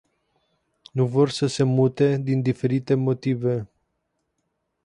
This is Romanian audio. Nu vor să se mute din diferite motive.